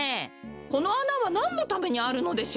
このあなはなんのためにあるのでしょう？